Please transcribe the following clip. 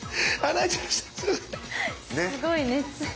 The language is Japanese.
すごい熱演。